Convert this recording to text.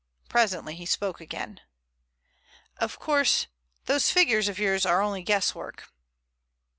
Presently he spoke again. "Of course those figures of yours are only guesswork."